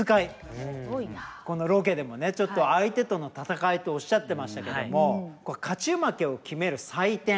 このロケでもねちょっと相手との戦いとおっしゃってましたけども勝ち負けを決める採点。